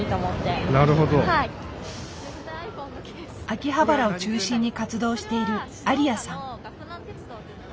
秋葉原を中心に活動しているありあさん。